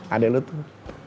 adek lo tuh